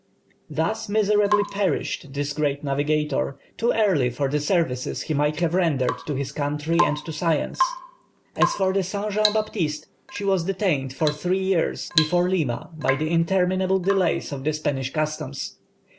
Thus miserably perished this great navigator, too early for the services he might have rendered to his country and to science. As for the Saint Jean Baptiste, she was detained "for three years" before Lima by the interminable delays of the Spanish customs.